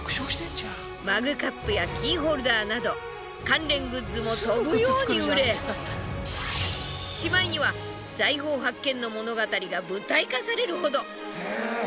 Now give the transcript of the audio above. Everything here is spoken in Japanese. マグカップやキーホルダーなど関連グッズも飛ぶように売れしまいには財宝発見の物語が舞台化されるほど。